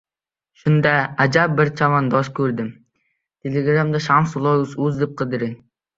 Shunda, ajab bir chavandoz ko‘rdim.